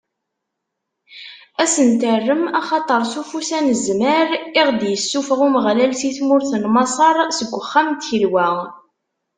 Ad sen-terrem: Axaṭer, s ufus anezmar, i ɣ-d-issufeɣ Umeɣlal si tmurt n Maṣer, seg uxxam n tkelwa.